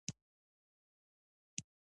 دا د حدیث شریف وینا ده.